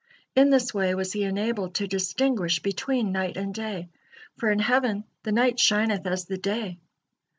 In this way was he enabled to distinguish between night and day, for in heaven "the night shineth as the day."